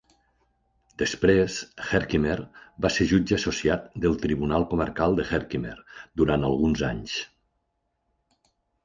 Després, Herkimer va ser jutge associat del Tribunal Comarcal de Herkimer durant alguns anys.